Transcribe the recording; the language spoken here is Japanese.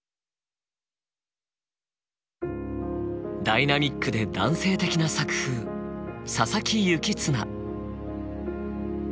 ダイナミックで男性的な作風佐佐木幸綱。